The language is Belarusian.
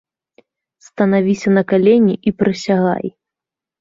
Станавіся на калені і прысягай!